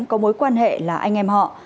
có mối quan hệ là anh em họ